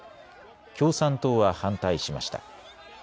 共産党は反対しました。